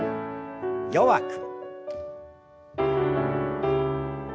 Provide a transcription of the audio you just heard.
弱く。